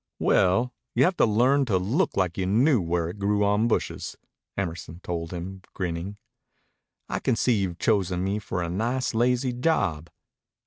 "Well, you'll have to learn to look like you knew where it grew on bushes," Emerson told him, grinning. "I can see you've chosen me for a nice lazy job."